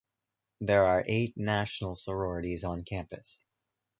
There are eight national sororities on campus.